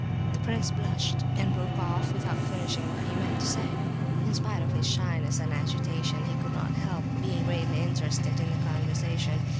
The prince blushed and broke off, without finishing what he meant to say. In spite of his shyness and agitation, he could not help being greatly interested in the conversation.